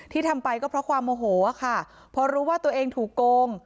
ทำไปก็เพราะความโมโหค่ะเพราะรู้ว่าตัวเองถูกโกง